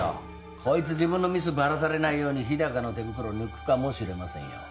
こいつ自分のミスバラされないように日高の手袋抜くかもしれませんよ